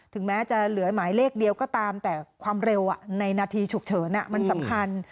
ถึงแม้จะเหลือหมายเลขเดียวก็ตามแต่ความเร็วในนาทีฉุกเฉินมันสำคัญ